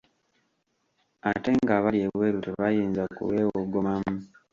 Ate ng'abali ebweru tebayinza kulwewogomamu.